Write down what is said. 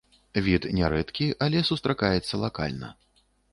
Від нярэдкі, але сустракаецца лакальна.